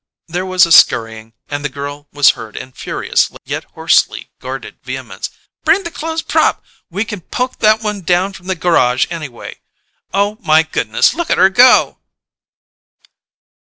There was a scurrying, and the girl was heard in furious yet hoarsely guarded vehemence: "Bring the clo'es prop! Bring the clo'es prop! We can poke that one down from the garage, anyway. _Oh, my goodness, look at 'er go!